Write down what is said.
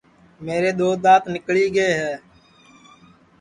میرے دؔو دؔانٚت نکلی ہے